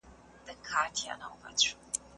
که زده کړه په خوښۍ وسي، فشار نه احساسېږي.